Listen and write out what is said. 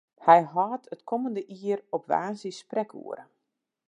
Hy hâldt it kommende jier op woansdei sprekoere.